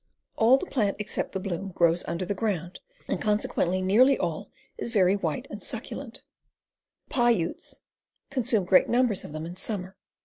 "All the plant except the bloom grows under ground, and consequently nearly all is very white and succulent. The Pah Utes consume great numbers of them in summer.